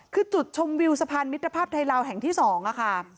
คือจุดชมวิวสะพานมิตรภาพไทยลาวแห่งที่๒ค่ะ